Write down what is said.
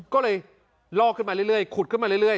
ก็เลยลอกขึ้นมาเรื่อยขุดขึ้นมาเรื่อย